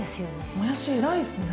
もやし偉いっすね。